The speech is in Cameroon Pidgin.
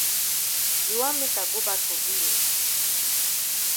You wan make I go bak for village?